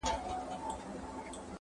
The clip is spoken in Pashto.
د زلمیو پاڅېدلو په اوږو کي٫